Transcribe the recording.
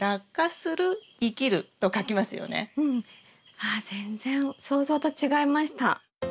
わ全然想像と違いました。